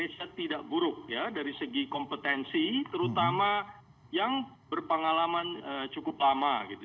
jadi saya rasa pns indonesia tidak buruk ya dari segi kompetensi terutama yang berpengalaman cukup lama gitu